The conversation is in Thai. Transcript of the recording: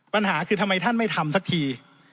ปัญหาคือทำไมท่านไม่ทำสักที